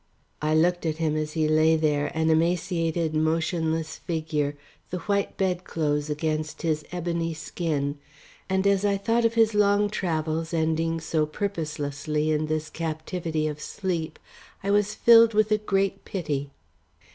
I looked at him as he lay there, an emaciated motionless figure, the white bedclothes against his ebony skin, and as I thought of his long travels ending so purposelessly in this captivity of sleep, I was filled with a great pity.